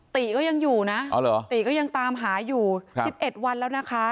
ติก็ยังอยู่นะติก็ยังตามหาอยู่๑๑วันแล้วนะคะ